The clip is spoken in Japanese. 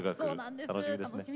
楽しみですね。